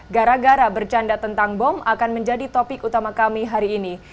gara gara bercanda tentang bom akan menjadi topik utama kami hari ini